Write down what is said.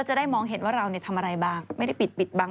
จริงจริงจริงจริงจริงจริง